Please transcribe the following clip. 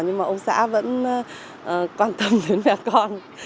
nhưng mà ông xã vẫn quan tâm đến mẹ con